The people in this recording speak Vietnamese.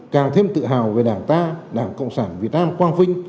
càng thêm tự hào về đảng ta đảng cộng sản việt nam quang vinh